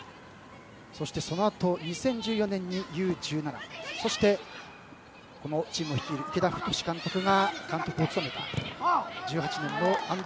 そして、そのあと２０１４年にＵ‐１７そして、このチームを率いる池田太監督が監督を務めた１８年のＵ‐２０